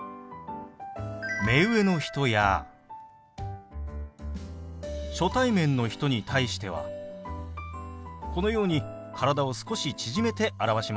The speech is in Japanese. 目上の人や初対面の人に対してはこのように体を少し縮めて表しましょう。